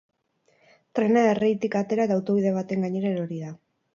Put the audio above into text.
Trena erreitik atera eta autobide baten gainera erori da.